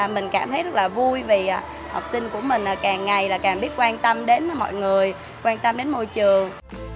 mình cảm thấy rất là vui vì học sinh của mình càng ngày càng biết quan tâm đến mọi người quan tâm đến môi trường